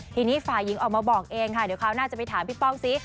ทีนี้ฝ่ายหญิงออกมาบอกเองค่ะเดี๋ยวคราวหน้าจะไปถามพี่ป้องซิ